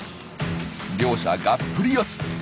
両者がっぷり四つ！